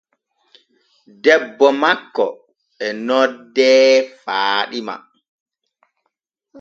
Debbo makko e noddee faaɗima.